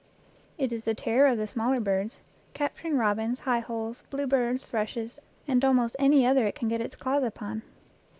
It is the terror of the smaller birds, capturing robins, high holes, bluebirds, thrushes, and almost any other it can get its claws upon.